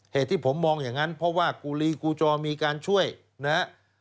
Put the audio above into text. เหตุที่ผมมองอย่างนั้นเพราะว่ากูลีกูจอมีการช่วยนะครับ